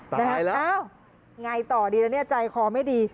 ตายแล้วแล้วเอ้าไงต่อดีแล้วนี่ใจคอไม่ดี